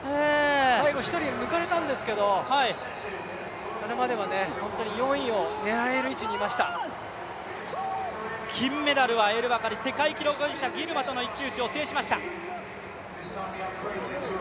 最後１人抜かれたんですけど、それまでは本当に４位を狙える位置にいました金メダルはエルバカリ、世界記録保持者ギルマとの一騎打ちを制しました。